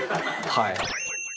はい。